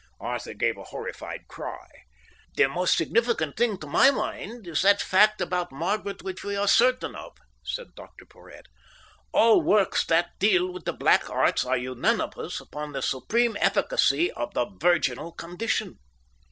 Arthur gave a horrified cry. "The most significant thing to my mind is that fact about Margaret which we are certain of," said Dr Porhoët. "All works that deal with the Black Arts are unanimous upon the supreme efficacy of the virginal condition."